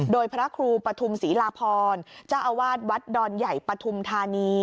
โดยพระครูปฐุมศรีลาพรเจ้าอาวาสวัดดอนใหญ่ปฐุมธานี